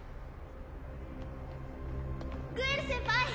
・グエル先輩。